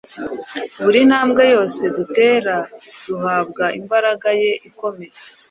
Buri ntambwe yose dutera, duhabwa imbaraga ye ikomeye.